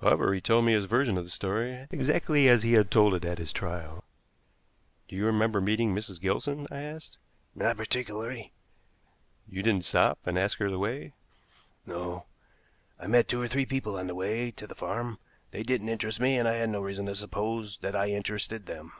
However, he told me his version of the story, exactly as he had told it at his trial. "Do you remember meeting Mrs. Gilson?" I asked. "Not particularly." "You didn't stop and ask her the way?" "No. I met two or three people on the way to the farm. They didn't interest me, and I had no reason to suppose that I interested them."